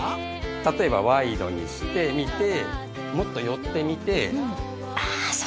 たとえばワイドにしてみてもっと寄ってみて。